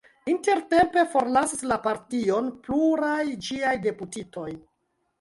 Intertempe forlasis la partion pluraj ĝiaj deputitoj.